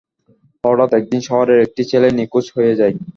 হঠাৎ একদিন শহরের একটি ছেলে নিখোজ হয়ে যায়।